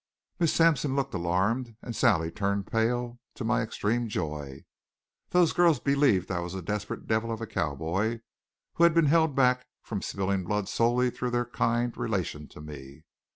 Miss Sampson looked alarmed and Sally turned pale, to my extreme joy. Those girls believed I was a desperate devil of a cowboy, who had been held back from spilling blood solely through their kind relation to me.